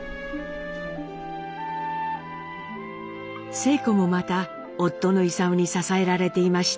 晴子もまた夫の勲に支えられていました。